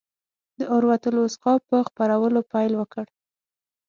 د العروة الوثقی په خپرولو پیل وکړ.